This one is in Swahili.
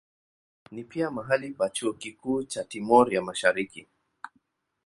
Ni pia mahali pa chuo kikuu cha Timor ya Mashariki.